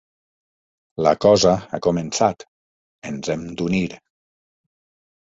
La cosa ha començat. Ens hem d'unir.